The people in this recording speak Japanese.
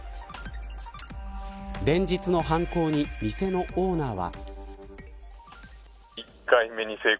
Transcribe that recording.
連日の犯行に店のオーナーは。